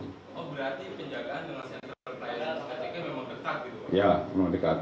jadi yang pertama terus yang kedua jadi sebuah sendiri informasi dari masyarakat